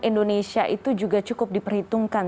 indonesia itu juga cukup diperhitungkan